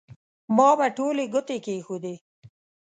ما به ټولې ګوتې کېښودې.